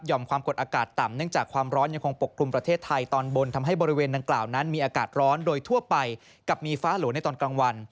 ความกดอากาศต่ำเนื่องจากความร้อนยังคงปกคลุมประเทศไทยตอนบนทำให้บริเวณดังกล่าวนั้นมีอากาศร้อนโดยทั่วไปกับมีฟ้าหลัวในตอนกลางวัน